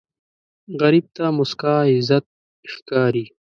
غریب ته موسکا عزت ښکاري